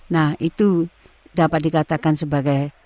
nah itu dapat dikatakan sebagai